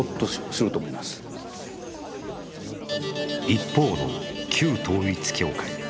一方の旧統一教会。